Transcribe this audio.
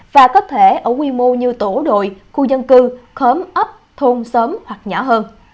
và có thể ở quy mô như tổ đội khu dân cư khóm ấp thôn sớm hoặc nhỏ hơn